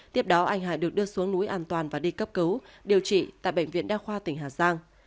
tiếp đó anh hải được đưa xuống núi an toàn và đi cấp cứu điều trị tại bệnh viện đa khoa tỉnh hà giang